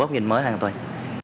một góc nhìn mới hoàn toàn